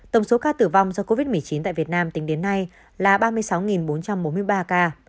tổng số ca tử vong do covid một mươi chín tại việt nam tính đến nay là ba mươi sáu bốn trăm bốn mươi ba ca